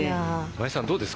真矢さんどうですか？